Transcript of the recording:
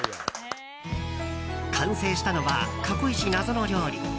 完成したのは過去一謎の料理。